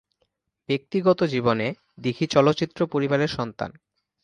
ব্যক্তিগত জীবনে দীঘি চলচ্চিত্র পরিবারের সন্তান।